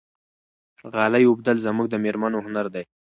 غالۍ اوبدل زموږ د مېرمنو هنر دی.